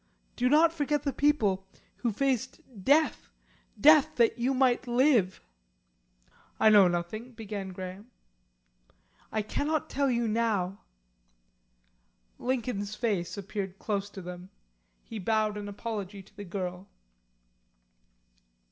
Do not forget the people, who faced death death that you might live." "I know nothing " began Graham. "I cannot tell you now." Lincoln's face appeared close to them. He bowed an apology to the girl.